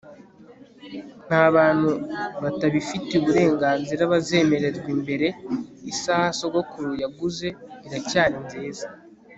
nta bantu batabifitiye uburenganzira bazemererwa imbere. isaha sogokuru yaguze, iracyari nziza